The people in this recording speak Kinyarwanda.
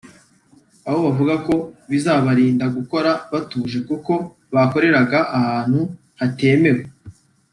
aho bavuga ko bizabarinda gukora badatuje kuko bakoreraga ahantu hatemewe